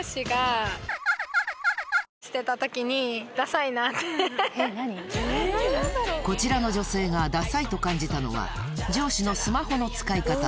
それではここでこちらの女性がダサいと感じたのは上司のスマホの使い方